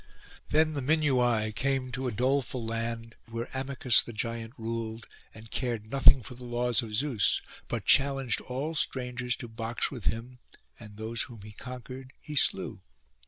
Then the Minuai came to a doleful land, where Amycus the giant ruled, and cared nothing for the laws of Zeus, but challenged all strangers to box with him, and those whom he conquered he slew.